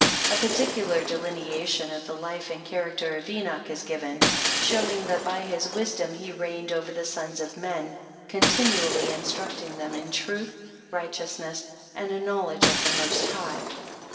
A particular delineation of the life and character of Enoch is given, showing, that by his wisdom he reigned over the sons of men, continually in strucling them in truth, righteousness, and a knowledge of the Most High.